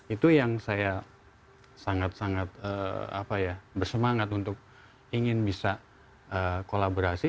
itu yang saya sangat sangat bersemangat untuk ingin bisa kolaborasi